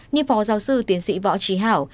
như phó giáo sư tiến sĩ võ trí hảo